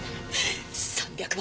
３００万